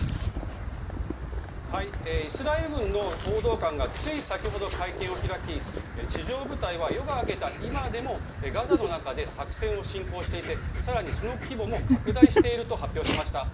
イスラエル軍の報道官がつい先ほど、会見を開き地上部隊は夜が明けた今でもガザの中でも作戦を進行していてさらにその規模も拡大していると発表しました。